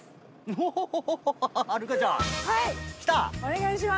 お願いします。